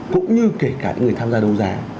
cũng như kể cả những người tham gia đấu giá